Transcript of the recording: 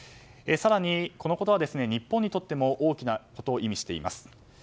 更に、このことは日本にとっても大きなことを意味しています。